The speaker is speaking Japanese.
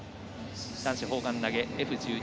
男子砲丸投げＦ１２